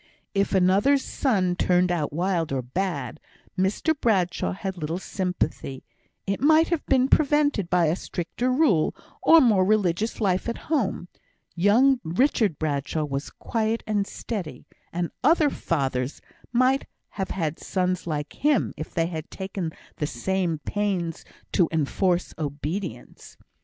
If another's son turned out wild or bad, Mr Bradshaw had little sympathy; it might have been prevented by a stricter rule, or more religious life at home; young Richard Bradshaw was quiet and steady, and other fathers might have had sons like him if they had taken the same pains to enforce obedience.